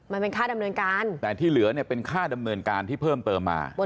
มันเป็นค่าดำเนินการแต่ที่เหลือเนี่ยเป็นค่าดำเนินการที่เพิ่มเติมมา